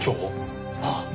ああ。